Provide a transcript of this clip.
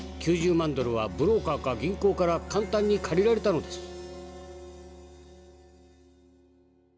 ９０万ドルはブローカーか銀行から簡単に借りられたのです」。